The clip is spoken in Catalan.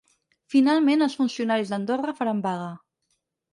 Finalment, els funcionaris d’Andorra faran vaga.